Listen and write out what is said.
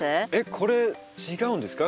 これ違うんですか？